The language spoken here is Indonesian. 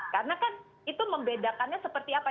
karena kan itu membedakannya seperti apa